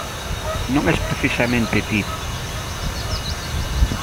Non es precisamente ti.